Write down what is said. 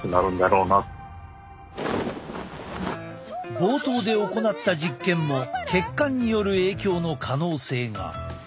冒頭で行った実験も血管による影響の可能性が。